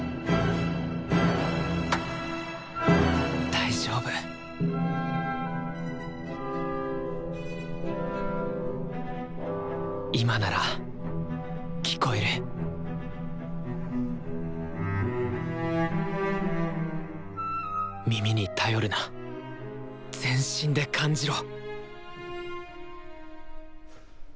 大丈夫今なら聴こえる耳に頼るな全身で感じろ！